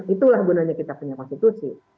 itulah gunanya kita punya konstitusi